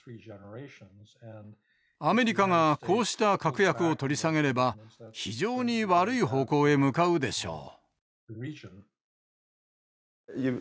アメリカがこうした確約を取り下げれば非常に悪い方向へ向かうでしょう。